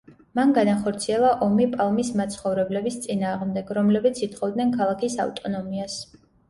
მან განახორციელა ომი პალმის მაცხოვრებლების წინააღმდეგ, რომლებიც ითხოვდნენ ქალაქის ავტონომიას.